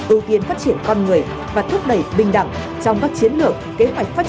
ưu tiên phát triển con người và thúc đẩy bình đẳng trong các chiến lược kế hoạch phát triển kinh tế xã hội của việt nam